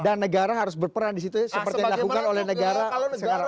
dan negara harus berperan disitu seperti yang dilakukan oleh negara sekarang